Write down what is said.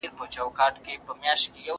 زه بايد زده کړه وکړم!